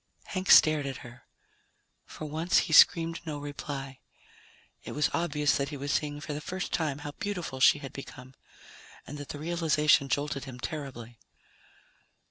Hank stared at her. For once he screamed no reply. It was obvious that he was seeing for the first time how beautiful she had become, and that the realization jolted him terribly.